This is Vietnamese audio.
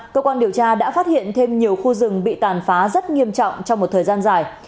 cơ quan điều tra đã phát hiện thêm nhiều khu rừng bị tàn phá rất nghiêm trọng trong một thời gian dài